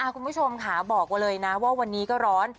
คุณผู้ชมค่ะบอกไว้เลยนะว่าวันนี้ก็ร้อน